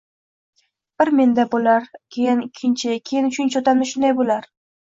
Bir menda bo‘lar, keyin ikkinchi, keyin uchinchi odamda shunday bo‘lar